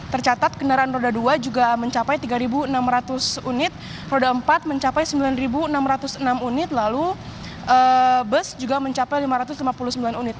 tercatat kendaraan roda dua juga mencapai tiga enam ratus unit roda empat mencapai sembilan enam ratus enam unit lalu bus juga mencapai lima ratus lima puluh sembilan unit